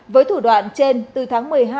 với thủ đoạn trên từ tháng một mươi một